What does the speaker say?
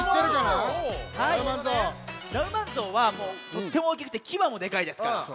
ナウマンゾウはとってもおおきくてきばもでかいですから。